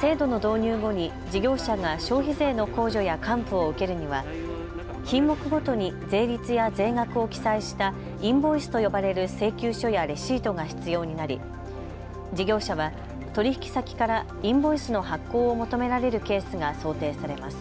制度の導入後に事業者が消費税の控除や還付を受けるには品目ごとに税率や税額を記載したインボイスと呼ばれる請求書やレシートが必要になり事業者は取引先からインボイスの発行を求められるケースが想定されます。